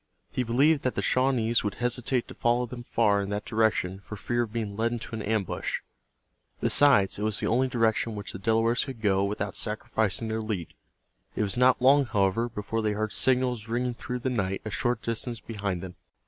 He believed that the Shawnees would hesitate to follow them far in that direction for fear of being led into an ambush. Besides, it was the only direction in which the Delawares could go without sacrificing their lead. It was not long, however, before they heard signals ringing through the night a short distance behind them.